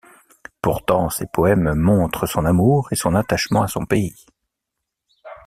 Pourtant ses poèmes montrent son amour et son attachement à son pays.